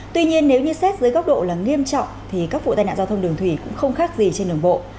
tuy nhiên nếu như xét dưới góc độ là nghiêm trọng thì các vụ tai nạn giao thông đường thủy cũng không khác gì trên đường bộ